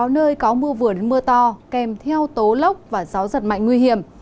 sáu nơi có mưa vừa đến mưa to kèm theo tố lốc và gió giật mạnh nguy hiểm